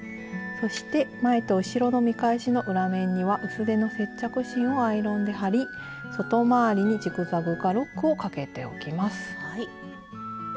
そして前と後ろの見返しの裏面には薄手の接着芯をアイロンで貼り外回りにジグザグかロックをかけておきます。